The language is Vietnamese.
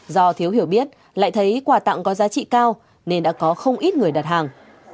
do thiếu hiểu biết lại thấy quà tặng có giá trị cao nên đã có không ít người đặt hàng